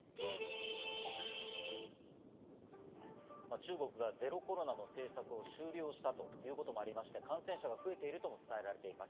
中国がゼロコロナの政策を終了したということもありまして、感染者が増えているとも伝えられています。